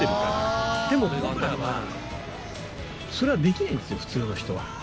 でも僕らはそれはできないんですよ普通の人は。